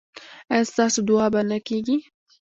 ایا ستاسو دعا به نه کیږي؟